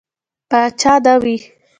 پاچا نه وي.